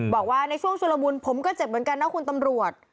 บอกว่าในช่วงชุลมุนผมก็เจ็บเหมือนกันนะคุณตำรวจ